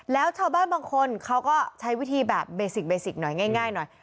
แล้วชาวบ้านบางคนเขาก็ใช้วิธีแบบเบสิกเบสิกหน่อยง่ายหน่อย